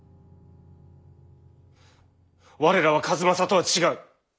我らは数正とは違う。